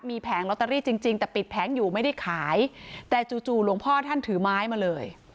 มีแผงลอตเตอรี่จริงจริงแต่ปิดแผงอยู่ไม่ได้ขายแต่จู่จู่หลวงพ่อท่านถือไม้มาเลย